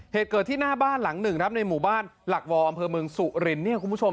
เหตุเกิดที่หน้าบ้านหลังหนึ่งในหมู่บ้านหลักวออำเภอเมืองสุรินทร์